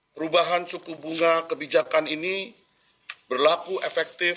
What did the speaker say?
perubahan suku bunga kebijakan ini berlaku efektif